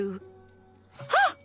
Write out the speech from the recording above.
あっ！